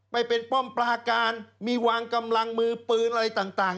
ไปเป็นป้อมปลาการมีวางกำลังมือปืนอะไรต่าง